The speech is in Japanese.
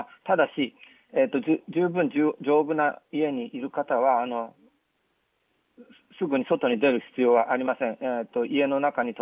ただし、十分丈夫な家にいる方はすぐに外に出る必要はありません。